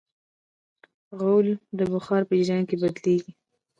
غول د بخار په جریان کې بدلېږي.